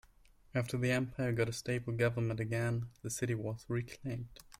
After the empire got a stable government again, the city was reclaimed.